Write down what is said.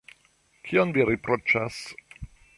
Kion vi riproĉas?